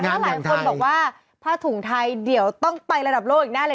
แล้วหลายคนบอกว่าผ้าถุงไทยเดี๋ยวต้องไประดับโลกอีกแน่เลย